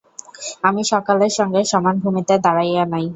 আমি সকলের সঙ্গে সমান ভূমিতে দাঁড়াইয়া নাই।